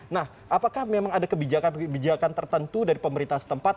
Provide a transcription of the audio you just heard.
nah apakah memang ada kebijakan kebijakan tertentu dari pemerintah setempat